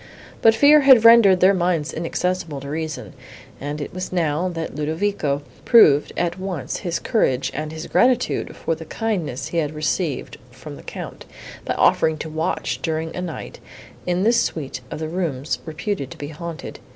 But fear had rendered their minds inaccessible to reason; and it was now, that Ludovico proved at once his courage and his gratitude for the kindness he had received from the Count, by offering to watch, during a night, in the suite of rooms, reputed to be haunted.